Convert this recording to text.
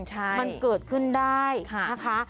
มันเกิดขึ้นได้นะคะ